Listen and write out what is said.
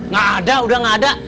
gak ada udah gak ada